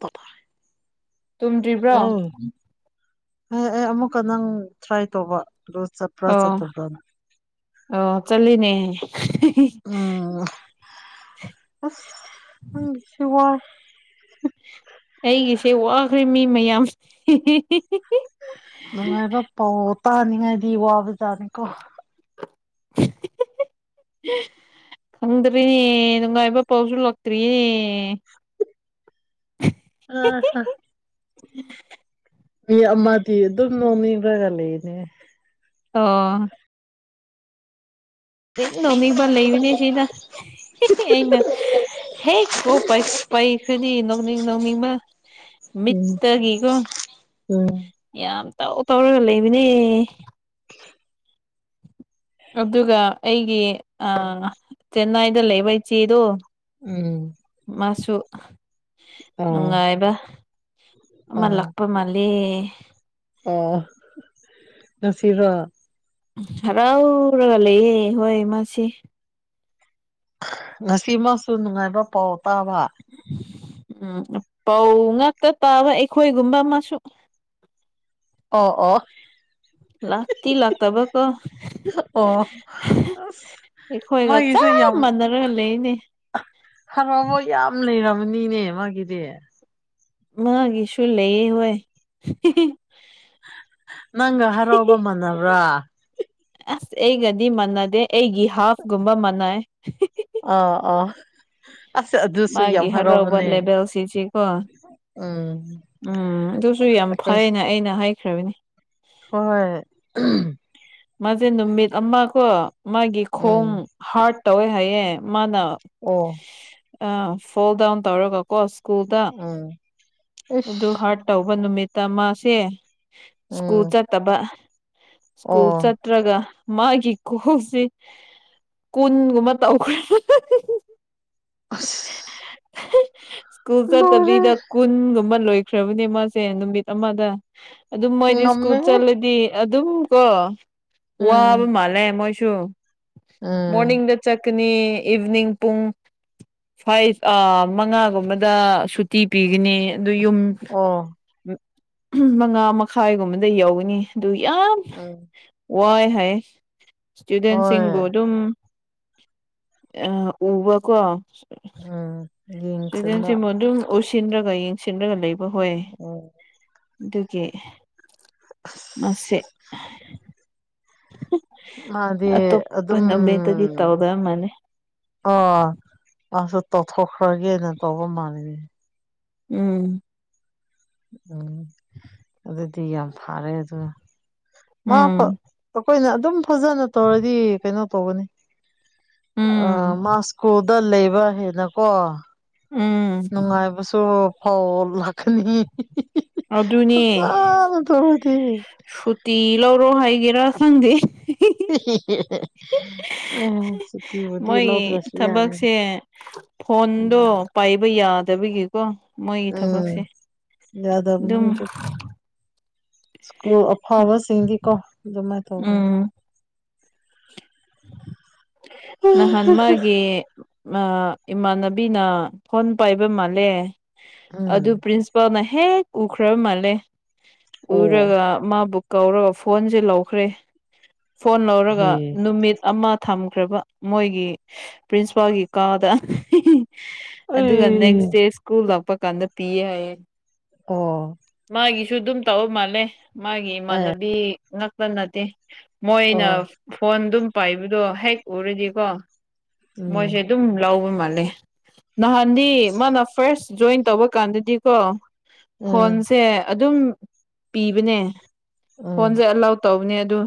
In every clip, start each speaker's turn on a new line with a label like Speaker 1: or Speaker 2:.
Speaker 1: ꯊ
Speaker 2: ꯇꯨꯝꯗ꯭ꯔꯤꯕ꯭ꯔꯣ
Speaker 1: ꯑ [inaudible] ꯍꯣꯏ ꯑꯩ ꯑꯃꯨꯛꯀ ꯅꯪ ꯇ꯭ꯔꯥꯏ ꯇꯧꯕ ꯑꯗꯨ ꯆꯠ
Speaker 2: ꯑꯣ ꯑꯣ ꯆꯜꯂꯤꯅꯦ
Speaker 1: ꯎꯝ ꯑꯁ ꯅꯪꯁ ꯋꯥꯏ
Speaker 2: ꯑꯩꯒꯤꯁꯦ ꯋꯥꯈ꯭ꯔꯦ ꯃꯤ ꯃꯌꯥꯝ
Speaker 1: ꯅꯨꯡꯉꯥꯏꯕ ꯄꯥꯎ ꯇꯥꯅꯤꯉꯥꯏꯗꯤ ꯋꯥꯕ ꯖꯥꯠꯅꯤꯀꯣ
Speaker 2: ꯎꯝ ꯍꯪꯗ꯭ꯔꯤꯅꯦ ꯅꯨꯡ ꯉꯥꯏꯕ ꯄꯥꯎꯁꯨ ꯂꯥꯛꯇ꯭ꯔꯤꯅꯦ
Speaker 1: ꯑ ꯍꯥ ꯃꯤ ꯑꯃꯗꯤ ꯑꯗꯨꯝ ꯅꯣꯡꯅꯤꯡꯔꯒ ꯂꯩꯅꯦ
Speaker 2: ꯑꯣ ꯅꯣꯛꯅꯤꯡ ꯅꯣꯛꯅꯤꯡꯕ ꯂꯩꯔꯤꯅꯦ ꯁꯤꯗ ꯑꯩꯅ ꯍꯦꯛ ꯀꯣꯛ ꯄꯩ ꯄꯩꯈ꯭ꯔꯗꯤ ꯅꯣꯛꯅꯤꯡ ꯅꯣꯛꯅꯤꯡ ꯕ
Speaker 1: ꯎꯝ
Speaker 2: ꯃꯠꯇꯒꯤ ꯀꯣ
Speaker 1: ꯎꯝ
Speaker 2: ꯌꯥꯝ ꯇꯧ ꯇꯧꯔꯒ ꯂꯩꯕꯅꯦ ꯑꯗꯨꯒ ꯑꯩꯒꯤ ꯇꯦꯠ ꯅꯥꯏꯟꯗ ꯂꯩꯕ ꯏꯆꯦꯗꯣ
Speaker 1: ꯎꯝ
Speaker 2: ꯃꯥꯁꯨ
Speaker 1: ꯑꯥ
Speaker 2: ꯅꯨꯡꯉꯥꯏꯕ
Speaker 1: ꯑꯥ
Speaker 2: ꯃꯜꯂꯛꯄꯃꯜꯂꯤ
Speaker 1: ꯑꯣ ꯉꯁꯤꯔꯣ
Speaker 2: ꯍꯔꯥꯎꯔꯒ ꯂꯩꯌꯦ ꯍꯣꯏ ꯃꯥꯁꯤ
Speaker 1: ꯉꯁꯤꯃꯁꯨ ꯅꯨꯡꯉꯥꯏꯕ ꯄꯥꯎ ꯇꯥꯕ
Speaker 2: ꯎꯝ ꯄꯥꯎ ꯉꯥꯛꯇ ꯇꯥꯕ ꯑꯩꯈꯣꯏꯒꯨꯝꯕ ꯑꯃꯁꯨ
Speaker 1: ꯑꯣ ꯑꯣ
Speaker 2: ꯂꯥꯛꯇꯤ ꯂꯥꯛꯇꯕ ꯀꯣ
Speaker 1: ꯑꯣ ꯑꯁ
Speaker 2: ꯑꯩꯈꯣꯏꯒ ꯆꯞ ꯃꯥꯟꯅꯔꯒ ꯂꯩꯅꯦ
Speaker 1: ꯍꯔꯧꯕꯣꯚꯛꯂꯧ ꯌꯥꯝ ꯂꯩꯔꯕꯅꯤꯅꯦ ꯃꯥꯒꯤꯗꯤ
Speaker 2: ꯃꯥꯒꯤꯁꯨꯨ ꯂꯩꯌꯦ ꯍꯣꯏ
Speaker 1: ꯅꯪ ꯍꯔꯧꯕ ꯑꯣꯕꯃꯅꯕ꯭ꯔꯥ
Speaker 2: ꯑꯁ ꯑꯩꯒꯗꯤ ꯃꯥꯟꯅꯗꯦ ꯑꯩꯒꯤ ꯍꯥꯐꯀꯨꯝꯕ ꯃꯥꯟꯅꯩ
Speaker 1: ꯑ ꯑꯥ ꯑꯁ ꯑꯗꯨꯁꯨ ꯌꯥꯝ
Speaker 2: ꯃꯥꯒꯤ
Speaker 1: ꯍꯔꯥꯎꯕꯅꯦ
Speaker 2: ꯍꯔꯥꯎꯕꯗꯂꯦꯕꯦꯜꯁꯤ ꯆꯤ ꯀꯣ
Speaker 1: ꯎꯝ
Speaker 2: ꯎꯝ ꯑꯗꯨꯁꯨ ꯌꯥꯝ
Speaker 1: ꯑꯩꯈꯣꯏ
Speaker 2: ꯐꯩꯅ ꯑꯩꯅ ꯍꯥꯏꯈ꯭ꯔꯕꯅꯤ
Speaker 1: ꯍꯣꯏ ꯍꯣꯏ
Speaker 2: ꯃꯥꯁꯦ ꯅꯨꯃꯤꯠ ꯑꯃꯀꯣ ꯃꯥꯒꯤ ꯈꯣꯡ
Speaker 1: ꯎꯝ
Speaker 2: ꯍꯥꯔꯠ ꯇꯧꯋꯦ ꯍꯥꯏꯌꯦꯦ ꯃꯥꯅ
Speaker 1: ꯑꯣ
Speaker 2: ꯐꯣꯜꯗꯥꯎꯟ ꯇꯧꯔꯒ ꯀꯣ ꯁ꯭ꯀꯨꯜꯗ
Speaker 1: ꯎꯝ
Speaker 2: ꯑꯗꯨ
Speaker 1: ꯏꯁ
Speaker 2: ꯍꯥꯔꯠ ꯇꯧꯕ ꯅꯨꯃꯤꯠꯇ ꯃꯥꯁꯦ ꯁꯀꯨ꯭ꯜ
Speaker 1: ꯎꯝ
Speaker 2: ꯆꯠꯗꯕ ꯁ꯭ꯀꯨꯁ
Speaker 1: ꯑꯣ
Speaker 2: ꯅꯠꯇ꯭ꯔꯒ ꯃꯥꯒꯤ ꯀꯣꯛꯁꯤ ꯀꯨꯟꯒꯨꯝꯕ ꯇꯧꯈ꯭ꯔꯦ
Speaker 1: ꯑꯁ
Speaker 2: ꯁ꯭ꯀꯨꯜꯁ
Speaker 1: ꯂꯣꯏꯔꯦ
Speaker 2: ꯇꯕꯤꯗ ꯀꯨꯟꯒꯨꯝꯕ ꯂꯣꯏꯈ꯭ꯔꯕꯅꯦ ꯃꯥꯁꯦ ꯅꯨꯃꯤꯠ ꯑꯃꯗ ꯑꯗꯨꯝ ꯃꯣꯏꯗꯤ ꯁ꯭ꯀꯨꯜ
Speaker 1: ꯉꯝꯃꯦꯍꯦ
Speaker 2: ꯆꯠꯂꯗꯤ ꯑꯗꯨꯕꯨ ꯀꯣ ꯋꯥꯕ
Speaker 1: ꯎꯝ
Speaker 2: ꯃꯥꯜꯂꯦ ꯃꯣꯏꯁꯨ
Speaker 1: ꯎꯝ
Speaker 2: ꯃꯣꯔꯅꯤꯡꯗ ꯆꯠꯅꯤ ꯏꯚꯅꯤꯡ ꯄꯨꯡ ꯐ꯭ꯥꯏꯚ ꯃꯉꯥꯒꯨꯝꯕꯗ ꯁꯨꯇꯤ ꯄꯤꯒꯅꯤ ꯑꯗꯨ ꯌꯨꯝ
Speaker 1: ꯑꯣ
Speaker 2: ꯎꯝ ꯃꯉꯥ ꯃꯈꯥꯏꯒꯨꯝꯕꯗ ꯌꯧꯒꯅꯤ ꯑꯗꯨ ꯌꯥꯝ
Speaker 1: ꯎꯝ
Speaker 2: ꯋꯥꯏ ꯍꯥꯏꯌꯦ ꯏꯁꯇꯨꯗꯦꯟꯁꯤꯡꯕꯨ
Speaker 1: ꯍꯣꯏ
Speaker 2: ꯑꯗꯨꯝ ꯑ ꯎꯕ ꯀꯣ
Speaker 1: ꯑ
Speaker 2: ꯇꯖꯦꯟꯁꯤꯃ ꯑꯗꯨꯝ ꯎꯁꯤꯟꯔꯒ ꯌꯦꯡꯁꯤꯟꯔꯒ ꯂꯩꯕ ꯍꯣꯏ
Speaker 1: ꯎꯝ
Speaker 2: ꯑꯗꯨꯒꯤ
Speaker 1: ꯑꯁ
Speaker 2: ꯃꯁꯦ
Speaker 1: ꯃꯥꯗꯤ
Speaker 2: ꯑꯇꯣꯞꯄ
Speaker 1: ꯑꯗꯨꯝ
Speaker 2: ꯅꯨꯃꯠꯇꯒꯤ ꯇꯧꯗ ꯃꯥꯅꯦ
Speaker 1: ꯑ ꯃꯥꯁꯨ ꯇꯧꯊꯣꯛꯈ꯭ꯔꯒꯦꯅ ꯇꯧꯕ ꯃꯥꯜꯂꯤ
Speaker 2: ꯎꯝ
Speaker 1: ꯎꯝ ꯑꯗꯨꯗꯤ ꯌꯥꯝ ꯐꯔꯦ ꯑꯗꯨ ꯃꯥ
Speaker 2: ꯎꯝ
Speaker 1: ꯑꯩꯈꯣꯏꯅ ꯑꯗꯨꯝ ꯐꯖꯅ ꯇꯧꯔꯗꯤ ꯀꯩꯅꯣ ꯇꯧꯒꯅꯤ
Speaker 2: ꯎꯝ
Speaker 1: ꯃꯥꯁꯀꯣ ꯗ ꯂꯩꯕ ꯍꯦꯅꯀꯣ
Speaker 2: ꯎꯝ
Speaker 1: ꯅꯨꯡꯉꯥꯏꯕꯁꯨ ꯐꯥꯎ ꯂꯥꯛꯀꯅꯤ
Speaker 2: ꯑꯗꯨꯅꯦ
Speaker 1: ꯑ ꯊꯣꯛ ꯊꯦ
Speaker 2: ꯁꯨꯇꯤ ꯂꯧꯔꯣ ꯍꯥꯏꯒꯦꯔꯥ ꯈꯪꯗꯦ
Speaker 1: ꯑ ꯁꯨꯇꯤꯕꯨꯗꯤ
Speaker 2: ꯃꯣꯏꯒꯤ
Speaker 1: ꯂꯧꯗ꯭ꯔꯁꯨ ꯌꯥꯔꯦꯗ
Speaker 2: ꯊꯕꯛꯁꯦ ꯐꯣꯟꯗꯣ
Speaker 1: ꯎꯝ
Speaker 2: ꯄꯥꯏꯕ ꯌꯥꯗꯕꯒꯤ ꯀꯣ ꯃꯣꯏꯒꯤ
Speaker 1: ꯎꯝ
Speaker 2: ꯊꯕꯛꯁꯦ
Speaker 1: ꯌꯥꯗꯕꯅꯤ
Speaker 2: ꯑꯗꯨꯝ
Speaker 1: ꯑꯗꯨ ꯁ꯭ꯀꯨꯜ ꯑꯐꯕꯁꯤꯡꯗꯤ ꯀꯣ ꯑꯗꯨꯃꯥꯏꯅ ꯇꯧꯒꯅꯤ
Speaker 2: ꯅ ꯍꯟꯃꯒꯤ ꯃꯥ ꯏꯃꯥꯟꯅꯕꯤꯅ ꯐꯣꯟ ꯄꯥꯏꯕ ꯃꯥꯜꯂꯦ
Speaker 1: ꯎꯝ
Speaker 2: ꯑꯗꯨ ꯄ꯭ꯔꯤꯟꯁ ꯄꯥꯅ ꯍꯦꯛ ꯎꯈ꯭ꯔ ꯃꯥꯜꯂꯦ
Speaker 1: ꯑꯣ
Speaker 2: ꯎꯔꯒ ꯃꯥꯕꯨ ꯀꯧꯔꯒ ꯐꯣꯟꯁꯦ ꯂꯧꯈ꯭ꯔꯦ ꯐꯣꯟ ꯂꯧꯔꯒ
Speaker 1: ꯍꯦ
Speaker 2: ꯅꯨꯃꯤꯠ ꯑꯃ ꯊꯝꯈ꯭ꯔꯕ ꯃꯣꯏꯒꯤ ꯄ꯭ꯔꯤꯟꯁꯤꯄꯥꯜꯒꯤ ꯀꯥꯗ ꯑꯗꯨꯒ
Speaker 1: ꯑꯩ
Speaker 2: ꯅꯦꯛꯁ ꯗꯦ ꯁ꯭ꯀꯨꯜ ꯂꯥꯛꯄ ꯀꯥꯟꯗ ꯄꯤꯌꯦ ꯍꯥꯏꯌꯦ
Speaker 1: ꯑꯣ
Speaker 2: ꯃꯥꯒꯤꯁꯨ ꯑꯗꯨꯝ ꯇꯧꯕ ꯃꯥꯜꯂꯦ ꯃꯥꯒꯤ
Speaker 1: ꯑꯦ
Speaker 2: ꯏꯃꯥꯟꯅꯕꯤ ꯉꯛꯇ ꯅꯠꯇꯦ ꯃꯣꯏꯅ
Speaker 1: ꯑꯣ
Speaker 2: ꯐꯣꯟꯗꯨꯝ ꯄꯥꯏꯕꯗꯣ ꯍꯦꯛ ꯎꯔꯗꯤꯀꯣ
Speaker 1: ꯎꯝ
Speaker 2: ꯃꯣꯏꯁꯦ ꯑꯗꯨꯝ ꯂꯧꯕ ꯃꯥꯜꯂꯦ ꯅꯍꯥꯟꯗꯤ ꯃꯥꯅ ꯐꯥꯔꯁ ꯖꯣꯏꯟ ꯇꯧꯕ ꯀꯥꯟꯗꯗꯤꯀꯣ
Speaker 1: ꯎꯝ
Speaker 2: ꯐꯣꯟꯁꯦ ꯑꯗꯨꯝ ꯄꯤꯕꯅꯦ
Speaker 1: ꯎꯝ
Speaker 2: ꯐꯣꯟꯁꯦ ꯑꯂꯥꯎꯠ ꯇꯧꯅꯦ ꯑꯗꯨ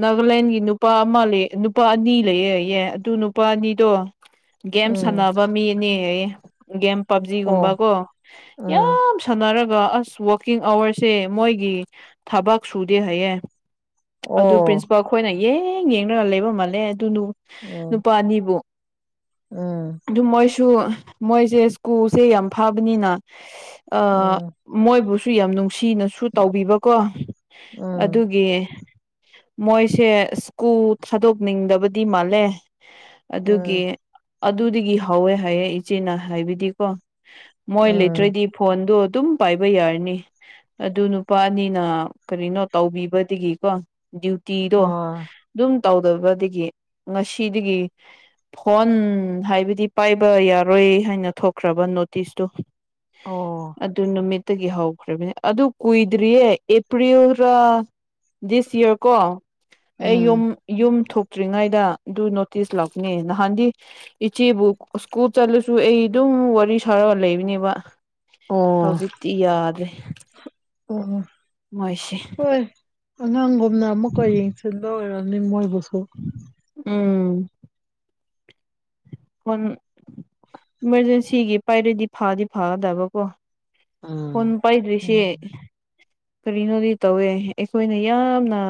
Speaker 2: ꯅꯥꯒꯥꯂꯦꯟꯒꯤ ꯅꯨꯄꯥ ꯑꯃ ꯂꯩ ꯅꯨꯄꯥ ꯑꯅꯤ ꯂꯩꯌꯦꯌꯦ ꯑꯗꯨ ꯅꯨꯄꯥ ꯑꯅꯤꯗꯣ ꯒꯦꯝ
Speaker 1: ꯎꯝ
Speaker 2: ꯁꯥꯟꯅꯕ ꯃꯤ ꯏꯅꯦ ꯒꯦꯝ
Speaker 1: ꯑꯣ
Speaker 2: ꯄꯕꯖꯤꯒꯨꯝꯕ ꯀꯣ
Speaker 1: ꯎꯝ
Speaker 2: ꯌꯥꯝ ꯁꯥꯟꯅꯔꯒ ꯑꯁ ꯋꯥꯛꯀꯤꯡ ꯑꯋꯥꯔꯁꯦ ꯃꯣꯏꯒꯤ ꯊꯕꯛ ꯁꯨꯗꯦ ꯍꯥꯏꯌꯦ ꯑꯗꯨ
Speaker 1: ꯑꯣ
Speaker 2: ꯄ꯭ꯔꯤꯟꯁꯤꯄꯥꯜ ꯑꯩꯈꯣꯏꯅ ꯌꯦꯡ ꯌꯦꯡꯒ ꯂꯩꯕ ꯃꯥꯜꯂꯦ ꯑꯗꯨ
Speaker 1: ꯎꯝ
Speaker 2: ꯅꯨꯄꯥ ꯑꯅꯤꯕꯨ
Speaker 1: ꯎꯝ
Speaker 2: ꯑꯗꯨ ꯃꯣꯏꯁꯨ ꯃꯣꯏꯁꯦ ꯁ꯭ꯀꯨꯜꯁꯦ ꯌꯥꯝ ꯐꯥꯕꯅꯤꯅ
Speaker 1: ꯎꯝ
Speaker 2: ꯃꯣꯏꯕꯨꯁꯨ ꯌꯥꯝ ꯅꯨꯡꯁꯤꯅꯁꯨ ꯇꯧꯕꯤꯕꯀꯣ
Speaker 1: ꯎꯝ
Speaker 2: ꯑꯗꯨꯒꯤ ꯃꯣꯏꯁꯦ ꯁ꯭ꯀꯨ ꯊꯥꯗꯣꯛꯅꯤꯡꯗꯕꯗꯤ ꯃꯥꯜꯂꯦ ꯑꯗꯨꯒꯤ
Speaker 1: ꯎꯝ
Speaker 2: ꯑꯗꯨꯗꯒꯤ ꯍꯧꯥꯎꯋꯦ ꯍꯥꯏꯌꯦ ꯏꯆꯦꯅ ꯍꯥꯏꯕꯤꯗꯤꯀꯣ ꯃꯣꯏ
Speaker 1: ꯎꯝ
Speaker 2: ꯂꯩꯇ꯭ꯔꯗꯤ ꯐꯣꯟꯗꯣ ꯑꯗꯨꯝ ꯄꯥꯏꯕ ꯌꯥꯔꯅꯤ ꯑꯗꯨ ꯅꯨꯄꯥ ꯑꯅꯤꯅ ꯀꯔꯤꯅꯣ ꯇꯧꯕꯤꯕꯗꯒꯤꯀꯣ ꯗ꯭ꯌꯨꯇꯤꯗꯣ
Speaker 1: ꯍꯣꯏ
Speaker 2: ꯑꯗꯨꯝ ꯇꯧꯗꯕꯗꯒꯤ ꯉꯁꯤꯗꯒꯤ ꯍꯣꯟ ꯍꯥꯏꯕꯗꯤ ꯄꯥꯏꯕ ꯌꯥꯔꯣꯏ ꯍꯥꯏꯅ ꯊꯣꯛꯈ꯭ꯔꯕ ꯅꯣꯇꯤꯁꯇꯨ
Speaker 1: ꯑꯣ
Speaker 2: ꯑꯗꯨ ꯅꯨꯃꯤꯠ ꯇꯒꯤ ꯍꯧꯈ꯭ꯔꯕꯅꯦ ꯑꯗꯨ ꯀꯨꯏꯗ꯭ꯔꯤꯌꯦ ꯑꯦꯄ꯭ꯔꯤꯜ ꯔ ꯗꯤꯁ ꯌꯌꯥꯔ ꯀꯣ ꯑꯩ ꯌꯨꯝ
Speaker 1: ꯎꯝ
Speaker 2: ꯌꯨꯝ ꯊꯣꯛꯇ꯭ꯔꯤꯉꯩꯗ ꯑꯗꯨ ꯅꯣꯇꯤꯁ ꯂꯥꯛꯀꯅꯦ ꯅꯍꯥꯟꯗꯤ ꯏꯆꯦꯕꯨ ꯏꯁ꯭ꯀꯨꯜ ꯆꯠꯂꯁꯨ ꯑꯩ ꯑꯗꯨꯝ ꯋꯥꯔꯤ ꯁꯥꯔꯒ ꯂꯩꯕꯅꯦꯕ
Speaker 1: ꯑꯣ
Speaker 2: ꯍꯧꯖꯤꯛꯇꯤ ꯌꯥꯗ꯭ꯔꯦ
Speaker 1: ꯑꯣ ꯍꯣ
Speaker 2: ꯃꯣꯏꯁꯦ
Speaker 1: ꯍꯣꯏ ꯑꯉꯥꯡꯒꯨꯝꯅ ꯑꯃꯨꯛꯀ ꯌꯦꯡꯁꯤꯟꯕ ꯑꯣꯏꯔꯕꯝꯅꯤ ꯃꯣꯏꯒꯤꯁꯦ
Speaker 2: ꯎꯝ ꯐꫭꯟ ꯏꯃꯥꯔꯖꯦꯟꯁꯤꯒꯤ ꯄꯥꯏꯔꯗꯤ ꯐꯥꯗꯤ ꯐꯥꯗꯕꯀꯣ ꯐꯣꯟ
Speaker 1: ꯎꯝ
Speaker 2: ꯄꯥꯏꯗ꯭ꯔꯤꯁꯦ ꯀꯔꯤꯅꯣꯗꯤ ꯇꯧꯋꯦ ꯑꯩꯈꯣꯏꯅ ꯌꯥꯝꯅ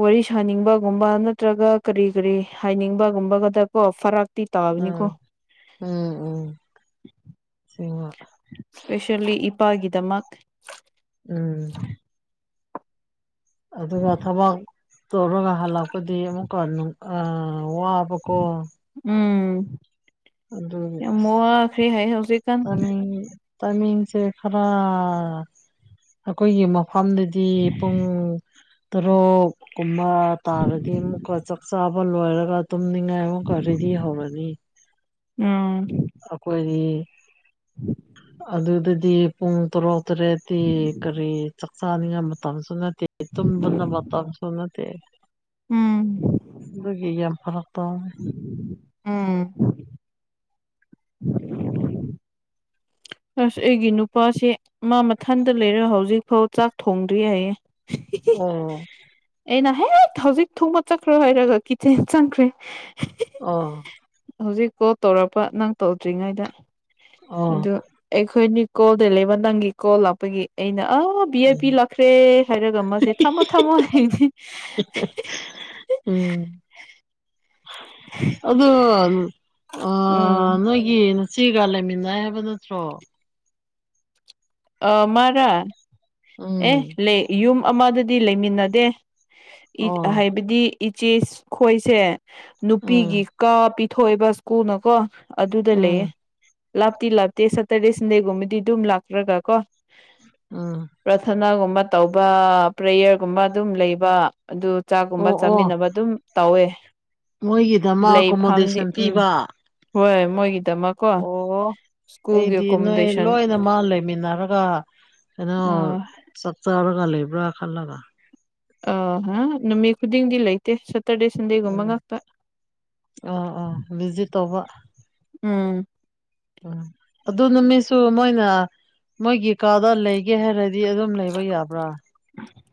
Speaker 2: ꯋꯥꯔꯤ ꯁꯥꯅꯤꯡꯕꯒꯨꯝꯕ ꯅꯠꯇ꯭ꯔꯒ ꯀꯔꯤ ꯀꯔꯤ ꯍꯥꯏꯅꯤꯡꯕꯒꯨꯝꯕꯒꯗꯀꯣ ꯐꯔꯛ
Speaker 1: ꯎꯝ ꯎꯝ ꯎꯝ ꯆꯨꯝꯃꯦ
Speaker 2: ꯏꯁꯄꯦꯁꯜꯂꯤ ꯏꯄꯥꯒꯤꯗꯃꯛ
Speaker 1: ꯎꯝ ꯑꯗꯨꯒ ꯊꯕꯛ ꯇꯧꯔꯒ ꯍꯜꯂꯛꯄꯗꯤ ꯑꯃꯨꯛꯀ ꯑꯥ ꯋꯥ ꯕꯀꯣ
Speaker 2: ꯎꯝ
Speaker 1: ꯑꯗꯨꯒꯤ
Speaker 2: ꯌꯥꯝ ꯋꯥꯈꯔꯦ ꯍꯥꯏ ꯍꯧꯖꯤꯛꯀꯥꯟ
Speaker 1: ꯇꯥꯏꯃꯤꯡ ꯇꯥꯏꯃꯤꯡꯁꯦ ꯈꯔ ꯑꯩꯈꯣꯏꯒꯤ ꯃꯐꯝꯗꯨꯗꯤ ꯄꯨꯡ ꯇꯔꯨꯛ ꯀꯨꯝꯕ ꯇꯥꯔꯗꯤ ꯑꯃꯨꯛꯀ ꯆꯥꯛꯆꯥꯥꯕ ꯂꯣꯏꯔꯒ ꯇꯨꯝꯅꯤꯡꯉꯥꯏ ꯑꯃꯨꯛꯀ ꯔꯦꯗꯤ ꯍꯧꯔꯅꯤ
Speaker 2: ꯎꯝ
Speaker 1: ꯑꯩꯈꯣꯏꯒꯤ ꯑꯗꯨꯗꯗꯤ ꯄꯨꯡ ꯇꯔꯨꯛ ꯇꯨꯔꯦꯗꯤ ꯀꯔꯤ ꯆꯥꯛ ꯆꯥꯅꯤꯡꯉ ꯃꯇꯝꯁꯨ ꯅꯠ ꯇꯦ ꯊꯨꯝꯕꯅ ꯃꯇꯝꯁꯨ ꯅꯠꯇꯦ
Speaker 2: ꯎꯝ
Speaker 1: ꯑꯗꯨꯒꯤ ꯌꯥꯝ ꯌꯥꯝ ꯐꯔꯛꯇ
Speaker 2: ꯎꯝ ꯑꯁ ꯑꯩꯒꯤ ꯅꯨꯄꯥꯁꯦ ꯃꯥ ꯃꯊꯟꯇ ꯂꯩꯔꯒ ꯍꯧꯖꯤꯛꯐꯥꯎ ꯆꯥꯛ ꯊꯣꯡꯗ꯭ꯔꯤ ꯍꯥꯏꯌꯦ
Speaker 1: ꯑꯣ
Speaker 2: ꯑꯩꯅ ꯍꯦꯛ ꯍꯧꯖꯤꯛ ꯊꯨꯕ ꯆꯠꯈ꯭ꯔꯣ ꯍꯥꯏꯔꯒ ꯀꯤꯆꯦꯟ ꯆꯪꯈ꯭ꯔꯦ
Speaker 1: ꯑ
Speaker 2: ꯍꯧꯖꯤꯛ ꯀꯣꯜ ꯇꯧꯔꯛꯄ ꯅꯪ ꯇꯧꯗ꯭ꯔꯤꯉꯩꯗ
Speaker 1: ꯑꯣ
Speaker 2: ꯑꯗꯨ ꯑꯩꯈꯣꯏꯅꯤ ꯀꯣꯜꯗ ꯂꯩꯕ ꯅꯪꯒꯤ ꯀꯣꯜ ꯂꯥꯛꯄꯒꯤ ꯑꯩꯅ ꯑ ꯄꯤ ꯑꯦ ꯄꯤ
Speaker 1: ꯎꯝ
Speaker 2: ꯂꯥꯛꯈ꯭ꯔꯦ ꯍꯥꯏꯔꯒ ꯃꯥꯁꯦ ꯊꯝꯃꯣ ꯊꯝꯃꯣ ꯑꯩꯗꯤ
Speaker 1: ꯎꯝ ꯑꯗꯨ ꯑ
Speaker 2: ꯎꯝ
Speaker 1: ꯅꫭꯏ ꯒꯤ‌ ꯅꯆꯦꯒ ꯂꯩꯃꯤꯟꯅꯩ ꯍꯥꯏꯕ ꯅꯠꯇ꯭ꯔꯣ
Speaker 2: ꯑ ꯃꯥꯔꯥ ꯑꯦ
Speaker 1: ꯎꯝ
Speaker 2: ꯂꯩ ꯌꯨꯝ ꯑꯃꯗꯗꯤ ꯂꯩꯃꯤꯟꯅꯗꯦ ꯏꯠ
Speaker 1: ꯑꯣ
Speaker 2: ꯍꯥꯏꯕꯗꯤ ꯏꯆꯦ ꯈꯣꯏꯁꯦ
Speaker 1: ꯎꯝ
Speaker 2: ꯅꯨꯄꯤꯒꯤ ꯀꯥ ꯄꯤꯊꯣꯛꯏꯕ ꯏꯁ꯭ꯀꯨꯜꯅꯀꯣ ꯑꯗꯨꯗ
Speaker 1: ꯎꯝ
Speaker 2: ꯂꯩꯌꯦ ꯂꯥꯞꯇꯤ ꯂꯥꯞꯇꯦ ꯁꯇꯔꯗꯦ ꯁꯟꯗꯦꯒꯨꯝꯕꯗꯤ ꯑꯗꯨꯝ ꯂꯥꯛꯔꯒ ꯀꯣ
Speaker 1: ꯎꯝ
Speaker 2: ꯄ꯭ꯔꯥꯊꯅꯥꯒꯨꯝꯕ ꯇꯧꯕ ꯄ꯭ꯔꯦꯌꯔꯒꯨꯝꯕ ꯑꯗꯨꯝ ꯂꯩꯕ ꯑꯗꯨ ꯆꯥꯛꯀꯨꯝꯕ
Speaker 1: ꯑꯣ
Speaker 2: ꯆꯥꯃꯤꯟꯅꯕ ꯑꯗꯨꯝ ꯇꯧꯋꯦ
Speaker 1: ꯃꯣꯏꯒꯤꯗ ꯑꯃ
Speaker 2: ꯂꯩꯐꯝꯗꯤ
Speaker 1: ꯀꯣꯃꯣꯗꯦꯁꯟ
Speaker 2: ꯎꯝ
Speaker 1: ꯄꯤꯕ
Speaker 2: ꯍꯣꯏ ꯃꯣꯏꯒꯤꯗꯃꯛꯀꯣ
Speaker 1: ꯑꯣ
Speaker 2: ꯏꯁ꯭ꯀꯨꯜꯒꯤ ꯀꯣꯃꯣꯗꯦꯁꯟ
Speaker 1: ꯑꯥ ꯂꯩꯃꯤꯟꯅꯔꯒ ꯀꯩꯅꯣ
Speaker 2: ꯑꯥ
Speaker 1: ꯆꯥꯛ ꯆꯔꯒ ꯂꯩꯕ꯭ꯔꯥ ꯈꯜꯂꯒ
Speaker 2: ꯑ ꯍꯥ ꯅꯨꯃꯤꯠ ꯈꯨꯗꯤꯡꯗꯤ ꯂꯩꯇꯦ ꯁꯦꯇꯔꯗꯦ ꯁꯟꯗꯦꯒꯨꯝꯕ ꯉꯥꯛꯇ
Speaker 1: ꯑꫭ ꯑꯣ ꯚꯤꯖꯤꯠ ꯇꯧꯕ
Speaker 2: ꯎꯝ
Speaker 1: ꯎꯝ ꯑꯗꯨ ꯅꯨꯃꯤꯠꯁꯨ ꯃꯣꯏꯅ ꯃꯣꯏꯒꯤ ꯀꯥꯗ ꯂꯩꯒꯦ ꯍꯥꯏꯔꯗꯤ ꯑꯗꯨꯝ ꯂꯩꯕ ꯌꯥꯕ꯭ꯔꯥ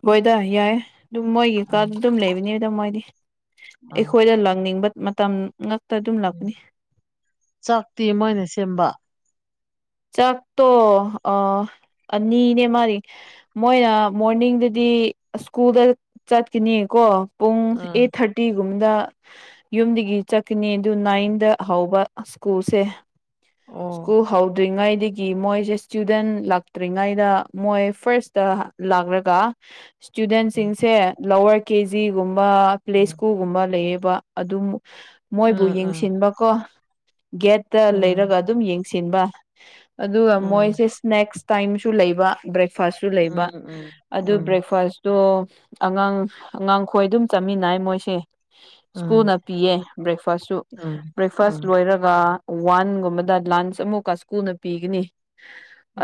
Speaker 2: ꯑꫭꯏꯗ ꯌꯥꯏ ꯑꯗꯨꯝ ꯃꯣꯏꯒꯤ ꯀ
Speaker 1: ꯑꯥ
Speaker 2: ꯑꯗꯨꯝ ꯂꯩꯕꯅꯤꯗ ꯃꯣꯏꯗꯤ
Speaker 1: ꯑꯥ
Speaker 2: ꯑꯩꯈꯣꯏꯗ ꯂꯥꯛꯅꯤꯡꯕ ꯃꯇꯝ ꯉꯛꯇ ꯑꯗꯨꯝ
Speaker 1: ꯎꯝ
Speaker 2: ꯂꯥꯛꯄꯅꯤ
Speaker 1: ꯆꯥꯛꯇꯤ ꯃꯣꯏꯅ ꯁꯦꯝꯕ
Speaker 2: ꯆꯥꯛꯇꯣ ꯑ ꯑꯅꯤꯅꯦ ꯃꯥꯔꯤ ꯃꯣꯏꯅ ꯃꯣꯔꯅꯤꯡꯗꯗꯤ ꯑꯁ꯭ꯀꯨꯜꯗ ꯆꯠꯀꯅꯤ ꯀꯣ ꯄꯨꯡ
Speaker 1: ꯑꯥ
Speaker 2: ꯑꯩꯠ ꯊꯥꯔꯇꯤꯒꯨꯝꯕꯗ ꯌꯨꯝꯗꯒꯤ ꯆꯠꯀꯅꯤ ꯑꯗꯨ ꯅꯥꯏꯟꯗ ꯍꯧꯕ ꯁ꯭ꯀꯨꯜꯁꯦ
Speaker 1: ꯑꯣ
Speaker 2: ꯁ꯭ꯀꯨꯜ ꯍꯧ ꯔꯤꯉꯩꯗꯒꯤ ꯃꯣꯏꯁꯦ ꯁ꯭ꯇꯨꯗꯦꯟ ꯂꯥꯛꯇ꯭ꯔꯤꯉꯩꯗ ꯃꯣꯏ ꯐꯥꯔ꯭ꯁꯇ ꯂꯥꯛꯔꯒ
Speaker 1: ꯎꯝ
Speaker 2: ꯏꯁꯇꯨꯗꯦꯟꯁꯤꯡꯁꯦ ꯂꯋ꯭ꯔ ꯀꯦꯖꯤꯒꯨꯝꯕ
Speaker 1: ꯎꯝ
Speaker 2: ꯄ꯭ꯂꯦꯁꯀꯨ ꯀꯨꯨꯝꯕ ꯂꯩꯌꯦꯕ ꯑꯗꯨꯃꯨꯛ ꯃꯣꯏꯕꯨ
Speaker 1: ꯎꯝ ꯎꯝ
Speaker 2: ꯌꯦꯡꯁꯤꯟꯕꯀꯣ ꯒꯦꯠꯇ ꯂꯩꯔꯒ ꯑꯗꯨꯝ ꯌꯦꯡꯁꯤꯟꯕ ꯑꯗꯨꯒ
Speaker 1: ꯎꯝ ꯎꯝ
Speaker 2: ꯃꯣꯏꯁꯦ ꯁ꯭ꯅꯦꯛꯁ ꯇꯥꯏꯝꯁꯨ ꯂꯩꯕ ꯕ꯭ꯔꯦꯛꯐꯥꯁꯁꯨ ꯂꯩꯕ
Speaker 1: ꯎꯝ ꯎꯝ
Speaker 2: ꯑꯗꯨ
Speaker 1: ꯎꯝ
Speaker 2: ꯕ꯭ꯔꯦꯛꯐꯥꯁ ꯇꯣ ꯑꯉꯥꯡ ꯑꯉꯥꯡꯈꯣꯏ ꯑꯗꯨꯝ ꯆꯥꯃꯤꯟꯅꯩ ꯃꯣꯏꯁꯦ
Speaker 1: ꯎꯝ
Speaker 2: ꯁ꯭ꯀꯨꯜꯅ ꯄꯤꯑꯦ ꯕ꯭ꯔꯦꯛꯐꯥꯁꯁꯨ ꯕ꯭ꯔꯦꯛꯐꯥꯁ
Speaker 1: ꯎꯝ
Speaker 2: ꯂꯣꯏꯔ ꯒ ꯋꯥꯟꯒꯨꯝꯕꯗ ꯂꯟꯁ ꯑꯃꯛꯀ ꯁ꯭ꯀꯨꯅ ꯄꯤꯒꯅꯤ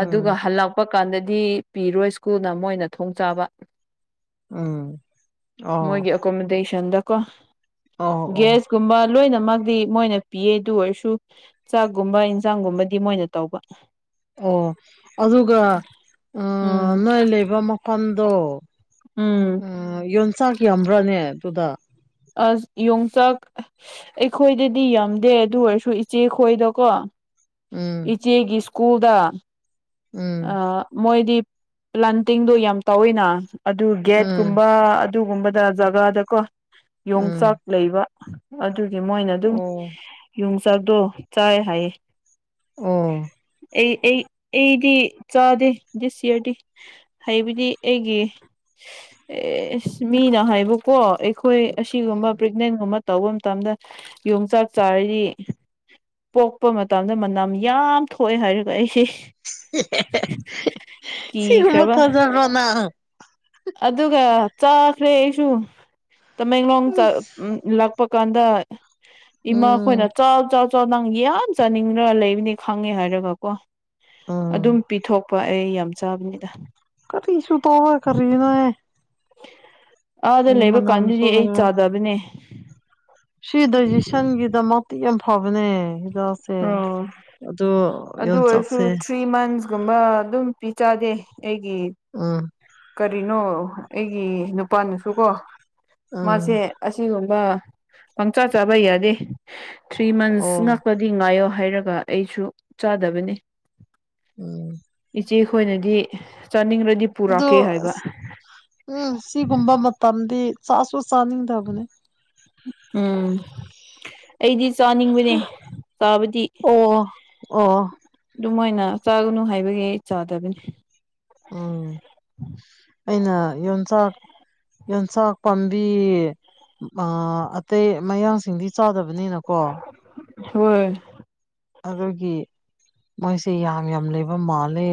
Speaker 2: ꯑꯗꯨꯒ ꯍꯂꯛ ꯄꯛ ꯀꯥꯟꯗꯗꯤ ꯄꯤꯔꯣꯏ ꯁ꯭ꯀꯨꯜꯅ ꯃꯣꯏꯅ ꯊꯣꯡ ꯆꯥꯕ
Speaker 1: ꯎꯝ ꯑꯣ
Speaker 2: ꯃꯣꯏꯒꯤ ꯑꯦꯀꯣꯃꯣꯗꯦꯁꯟꯗꯀꯣ
Speaker 1: ꯑꯣ ꯑꯣ
Speaker 2: ꯒꯦꯁꯀꯨꯝꯕ ꯂꯣꯏꯅꯃꯛ ꯗꯤ ꯃꯣꯏꯅ ꯄꯤꯌꯦ ꯑꯗꯨ ꯑꯣꯏꯔꯁꯨ ꯆꯥꯛꯒꯨꯝꯕ ꯏꯟꯖꯥꯡꯒꯨꯝꯕꯗꯤ ꯃꯣꯏꯅ ꯇꯧꯕ
Speaker 1: ꯑꯣ ꯑꯗꯨꯒ ꯑ
Speaker 2: ꯎꯝ
Speaker 1: ꯅꯣꯏ ꯂꯩꯕ ꯃꯐꯝꯗꯣ ꯎꯝ ꯌꯣꯟꯆꯥꯛ ꯌꯥꯝꯕ꯭ꯔꯅꯦ ꯑꯗꯨꯗ
Speaker 2: ꯑꯁ ꯌꯣꯡꯆꯥꯥꯛ ꯑꯩꯈꯣꯏꯗꯗꯤ ꯌꯥꯝꯗꯦ ꯑꯗꯨ ꯑꯣꯏꯔꯁꯨ ꯏꯆꯦ ꯈꯣꯏꯗꯀꯣ
Speaker 1: ꯎꯝ
Speaker 2: ꯏꯆꯦꯒꯤ ꯁ꯭ꯀꯨꯜꯗ ꯑ
Speaker 1: ꯎꯝ
Speaker 2: ꯃꯣꯏꯗꯤ ꯄ꯭ꯂꯥꯟꯇꯤꯡꯗꯣ ꯌꯥꯝ ꯇꯧꯋꯤꯅ ꯑꯗꯨ
Speaker 1: ꯎꯝ
Speaker 2: ꯒꯦꯠꯀꯨꯝꯕ ꯑꯗꯨꯒꯨꯝꯕꯗ ꯖꯒꯥꯗꯀꯣ ꯌꯣꯡꯆꯥꯛ
Speaker 1: ꯎꯝ
Speaker 2: ꯂꯩꯕ ꯑꯗꯨꯒꯤ ꯃꯣꯏꯅ ꯑꯗꯨꯝ
Speaker 1: ꯑꯣ
Speaker 2: ꯌꯣꯡꯆꯥꯛꯇꯣ ꯆꯥꯏ ꯍꯥꯏꯌꯦ
Speaker 1: ꯑꯣ
Speaker 2: ꯑꯩ ꯑꯩ ꯑꯩꯗꯤ ꯆꯥꯗꯦ ꯗꯤꯁ ꯏꯌ꯭ꯔꯗꯤ ꯍꯩꯕꯗꯤ ꯑꯩꯒꯤ ꯑꯦꯁ ꯃꯤꯅ ꯍꯥꯏꯕꯀꯣ ꯑꯩꯈꯣꯏ ꯑꯁꯤꯒꯨꯝꯕ ꯄ꯭ꯔꯦꯒꯅꯦꯟꯒꯨꯝꯕ ꯇꯧꯕ ꯃꯇꯝꯗ ꯌꯣꯡꯆꯥꯛ ꯆꯥꯔꯗꯤ ꯄꯣꯛꯄ ꯃꯇꯝꯗ ꯃꯅꯝ ꯌꯥꯝ ꯊꯣꯛꯑꯦ ꯍꯥꯏꯔꯒ ꯑꯩꯁꯦ ꯀꯤꯈ꯭ꯔꯕ
Speaker 1: ꯀꯣꯔꯣꯅꯥꯡ
Speaker 2: ꯑꯗꯨꯒ ꯆꯥꯈ꯭ꯔꯦ ꯑꯩꯁꯨ ꯇꯃꯦꯡꯂꯣꯡ ꯆꯞ ꯂꯛ ꯀꯛꯄ ꯀꯥꯟꯗ ꯏꯃꯥ ꯈꯣꯏꯅ
Speaker 1: ꯎꯝ
Speaker 2: ꯆꯥꯎ ꯆꯥꯎ ꯆꯥꯎ ꯅꯪ ꯌꯥꯝ ꯆꯥꯅꯤꯡꯒ꯭ꯔ ꯂꯩꯕꯅꯤ ꯈꯪꯉꯦ ꯍꯥꯏꯔꯒꯀꯣ ꯑꯗꯨꯝ
Speaker 1: ꯎꯝ
Speaker 2: ꯄꯤꯊꯣꯛꯄ ꯑꯩ ꯌꯥꯝ ꯆꯥꯕꯅꯤꯗ
Speaker 1: ꯀꯔꯤꯁꯨꯨ ꯇꯔꯣꯏ ꯀꯔꯤꯅꯣꯍꯦ
Speaker 2: ꯑꯥꯗ
Speaker 1: ꯀꯔꯤ
Speaker 2: ꯂꯩꯕ
Speaker 1: ꯃꯅꯝꯁꯨ
Speaker 2: ꯀꯥꯟꯗꯨꯗꯤ ꯑꯩ
Speaker 1: ꯂꯩꯔꯣꯏ
Speaker 2: ꯆꯥꯗꯕꯅꯦ
Speaker 1: ꯁꯤ ꯗꯥꯏꯖꯦꯁꯟꯒꯤꯗꯃꯛꯇꯤ ꯌꯥꯝ ꯐꯕꯅꯦ ꯃꯤꯗꯥꯁ
Speaker 2: ꯑꯣ ꯑꯗꯨ ꯑꯣꯏꯔꯁꯨ
Speaker 1: ꯌꯣꯡꯆꯥꯛꯁꯦ
Speaker 2: ꯊ꯭ꯔꯤ ꯃꯟꯁ ꯒꯨꯝꯕ ꯑꯗꯨꯝ ꯄꯤꯆꯥꯗꯦ ꯑꯩꯒꯤ
Speaker 1: ꯎꯝ
Speaker 2: ꯀꯔꯤꯅꯣ ꯑꯩꯒꯤ ꯅꯨꯄꯥꯅꯁꯨꯀꯣ ꯃꯥꯁꯦ
Speaker 1: ꯎꯝ
Speaker 2: ꯑꯁꯤꯒꯨꯝꯕ ꯄꯪꯆꯥ ꯆꯥꯕ ꯌꯥꯗꯦ ꯊ꯭ꯔꯤ ꯃꯟꯁ
Speaker 1: ꯑꯣ
Speaker 2: ꯉꯛꯄ ꯗꯤ ꯉꯥꯏꯌꯣ ꯍꯥꯏꯔꯒ ꯑꯩꯁꯨ ꯆꯥꯗꯕꯅꯤ
Speaker 1: ꯎꯝ
Speaker 2: ꯏꯆꯦꯈꯣꯏꯅꯗꯤ ꯆꯥꯅꯤꯡꯔꯗꯤ ꯄꯨꯔꯛ
Speaker 1: ꯑꯗꯣ ꯑꯁꯤ ꯎꯝ ꯁꯤꯒꯨꯝꯕ ꯃꯇꯝꯗꯤ ꯆꯥꯁꯨ ꯆꯥꯅꯤꯡꯗꯕꯅꯦ
Speaker 2: ꯎꯝ ꯑꯩꯗꯤ ꯆꯥꯅꯤꯡꯕꯅꯦ ꯆꯥꯕꯗꯤ
Speaker 1: ꯑꯣ ꯑꯣ
Speaker 2: ꯑꯗꯨꯝꯅ ꯆꯥꯒꯅꯨ ꯍꯥꯏꯕꯒꯤ ꯑꯩ ꯆꯥꯗꯕꯅꯤ
Speaker 1: ꯎꯝ ꯑꯩꯅ ꯌꯣꯟꯆꯥꯛ ꯌꯦꯟꯁꯄꯕꯤ ꯑ ꯑꯇꯩ ꯃꯌꯥꯡꯁꯤꯡꯗꯤ ꯆꯥꯗꯕꯅꯤꯅꯀꯣ
Speaker 2: ꯍꯣꯏꯣꯏ
Speaker 1: ꯑꯗꯨꯒꯤ ꯃꯣꯏꯁꯦ ꯌꯥꯝ ꯌꯥꯝ ꯂꯩꯕ ꯃꯥꯜꯂꯦ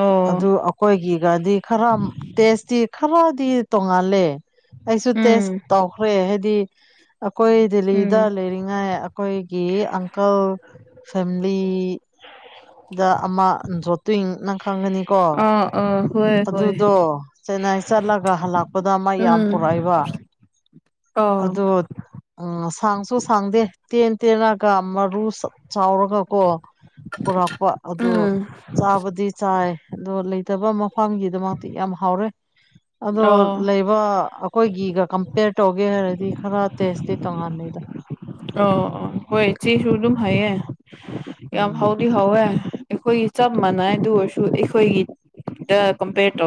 Speaker 2: ꯑꯣ
Speaker 1: ꯑꯗꯨ ꯑꯩꯈꯣꯏꯒꯤꯒꯗꯤ ꯈꯔ ꯇꯦꯁꯇꯤ ꯈꯔꯗꯤ ꯇꯣꯡꯉꯜꯂꯦ ꯑꯩꯁꯨ ꯇꯦꯁ
Speaker 2: ꯎꯝ
Speaker 1: ꯇꯧꯈ꯭ꯔꯦ ꯍꯥꯏꯗꯤ ꯑꯩꯈꯣꯏ
Speaker 2: ꯎꯝ
Speaker 1: ꯗꯦꯜꯂꯤꯗ ꯂꯩꯔꯤꯉꯥꯏ ꯑꯩꯈꯣꯏꯒꯤ ꯑꯪꯀꯜ ꯐꯦꯃꯤꯂꯤ ꯗ ꯑꯃ ꯖꯣꯠꯇꯤꯡꯅꯪ ꯈꯪꯒꯅꯤꯀꯣ
Speaker 2: ꯑꯣ ꯑꯣ ꯍꯣꯏ ꯍꯣꯏ
Speaker 1: ꯑꯗꯨꯗꯣ ꯆꯦꯟꯅꯥꯏ ꯆꯠꯂꯒ ꯍꯜꯂꯄ ꯈꯨꯗ ꯃ ꯌꯥꯝ
Speaker 2: ꯑꯥ
Speaker 1: ꯄꯨꯣꯔꯛꯏꯕ
Speaker 2: ꯑꯣ
Speaker 1: ꯑꯗꯨ ꯎꯝ ꯁꯥꯡꯁꯨ ꯁꯥꯡꯗꯦ ꯇꯦꯟ ꯇꯦꯟꯂꯒ ꯃꯔꯨ ꯆꯥꯎꯔꯒ ꯀꯣ ꯄꯨꯔꯛꯄ ꯑꯣ
Speaker 2: ꯎꯝ
Speaker 1: ꯆꯥꯕꯗꯤ ꯆꯥꯏ ꯑꯣ ꯂꯩꯇꯕ ꯃꯐꯝꯒꯤꯗꯃꯛꯇꯤ ꯌꯥꯝ ꯍꯥꯎꯔꯦ ꯑꯣ ꯂꯩ ꯑꯩꯈꯣꯏꯒꯤꯒ ꯀꯝꯄꯦꯌꯔ ꯇꯧꯒꯦ ꯍꯥꯏꯔꯗꯤ ꯈꯔ ꯇꯦꯁꯇꯤ ꯇꯣꯡꯉꯥꯟꯅꯤꯗ
Speaker 2: ꯑꯣ ꯍꯣꯏ ꯆꯦꯁꯨ ꯑꯗꯨꯝ ꯍꯥꯏꯌꯦ ꯌꯥꯝ
Speaker 1: ꯎꯝ
Speaker 2: ꯍꯧ ꯍꯧꯋꯦ ꯑꯩꯈꯣꯏꯒꯤ ꯆꯞ ꯃꯥꯟꯅꯩ ꯑꯗꯨ ꯑꯣꯏꯔꯁꯨ ꯑꯩꯈꯣꯏꯒꯤꯗ ꯀꯝꯄꯦꯌꯔ ꯇ